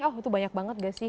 oh itu banyak banget gak sih